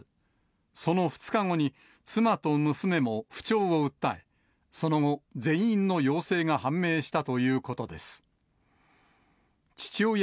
その２日後に、妻と娘も不調を訴え、その後、全員の陽性が判明したということです。